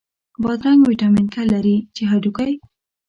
بادرنګ ویټامین K لري، چې هډوکی